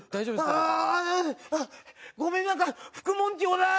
ああ！ごめんなさい。